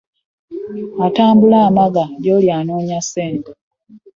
Atambula amaga gy'oli anoonya ssente